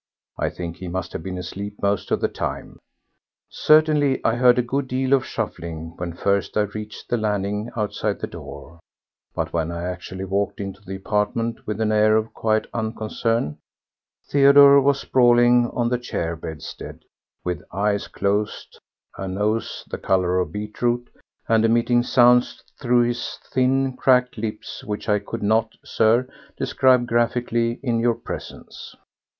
I think he must have been asleep most of the time. Certainly I heard a good deal of shuffling when first I reached the landing outside the door; but when I actually walked into the apartment with an air of quiet unconcern Theodore was sprawling on the chair bedstead, with eyes closed, a nose the colour of beetroot, and emitting sounds through his thin, cracked lips which I could not, Sir, describe graphically in your presence.